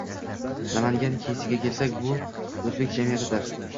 Namangan keysiga kelsak, bu oʻzbek jamiyatidir